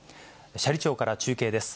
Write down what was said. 斜里町から中継です。